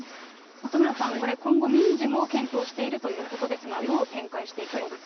本村さん、これ、今後、民事も検討しているということですが、どう展開していきそうですか。